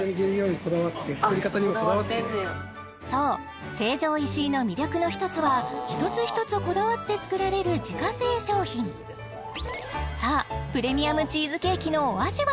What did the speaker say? へえこだわってんねやそう成城石井の魅力の一つは一つ一つこだわって作られる自家製商品さあプレミアムチーズケーキのお味は？